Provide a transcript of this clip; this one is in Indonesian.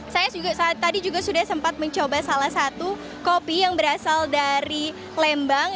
saya tadi juga sudah sempat mencoba salah satu kopi yang berasal dari lembang